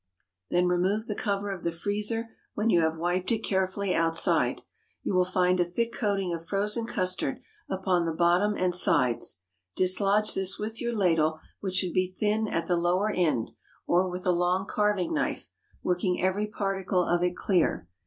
Then remove the cover of the freezer when you have wiped it carefully outside. You will find within a thick coating of frozen custard upon the bottom and sides. Dislodge this with your ladle, which should be thin at the lower end, or with a long carving knife, working every particle of it clear.